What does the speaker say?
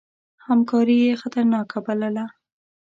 همکاري یې خطرناکه بلله.